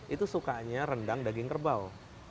itu sukanya rendang daging kerbau